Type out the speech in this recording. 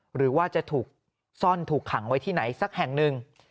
หรือว่าจะถูกซ่อนถูกขังไว้ที่ไหนสักแห่งหนึ่ง